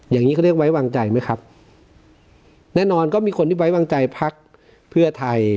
อย่างนี้เขาเรียกไว้วางใจไหมครับแน่นอนก็มีคนที่ไว้วางใจพักเพื่อไทย